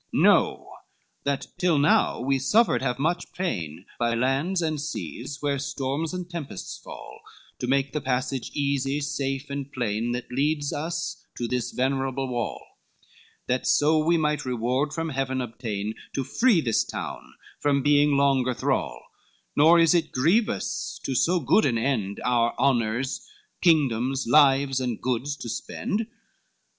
LXXXII "Know, that till now we suffered have much pain, By lands and seas, where storms and tempests fall, To make the passage easy, safe, and plain That leads us to this venerable wall, That so we might reward from Heaven obtain, And free this town from being longer thrall; Nor is it grievous to so good an end Our honors, kingdoms, lives and goods to spend.